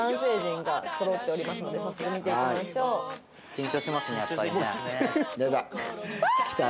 緊張しますねやっぱりね。出た！